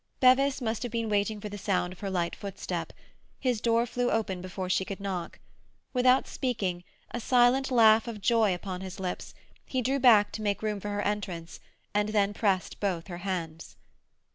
Bevis must have been waiting for the sound of her light footstep; his door flew open before she could knock. Without speaking, a silent laugh of joy upon his lips, he drew back to make room for her entrance, and then pressed both her hands.